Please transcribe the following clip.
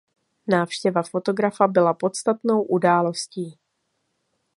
Návštěva fotografa byla podstatnou událostí.